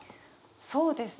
そうですね。